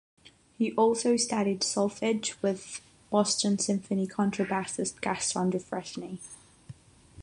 He also studied solfege with Boston Symphony contrabassist Gaston Dufresne.